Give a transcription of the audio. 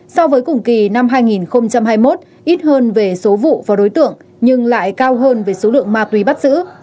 so với cùng kỳ năm hai nghìn hai mươi một ít hơn về số vụ và đối tượng nhưng lại cao hơn về số lượng ma túy bắt giữ